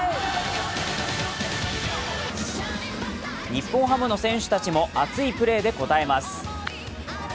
日本ハムの選手たちも熱いプレーで応えます。